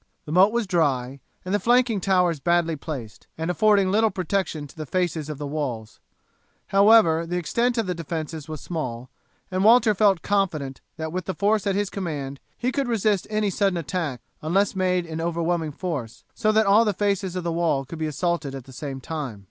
The moat was dry, and the flanking towers badly placed, and affording little protection to the faces of the walls; however, the extent of the defences was small, and Walter felt confident that with the force at his command he could resist any sudden attack, unless made in overwhelming force, so that all the faces of the wall could be assaulted at the same time.